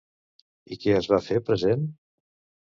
I què es va fer present?